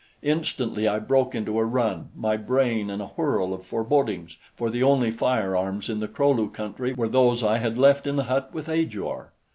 Instantly I broke into a run, my brain in a whirl of forebodings, for the only firearms in the Kro lu country were those I had left in the hut with Ajor.